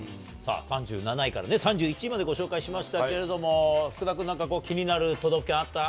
３７位から３１位までご紹介しましたけれども、福田君、なんか気になる都道府県あった？